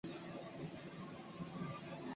这些作品随后也在真正的漫画周刊上刊登。